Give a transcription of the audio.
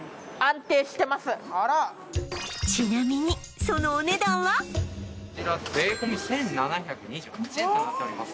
ちなみにそのお値段はこちら税込み１７２８円となっております